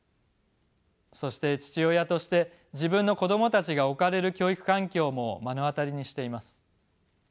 そして父親として自分の子どもたちが置かれる教育環境も目の当たりにしています。